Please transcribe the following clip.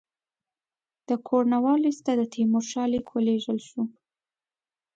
د کورنوالیس ته د تیمورشاه لیک ولېږل شو.